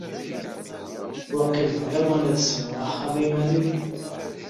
Waqil d lawan as sεuɣ axxam i iman-iw.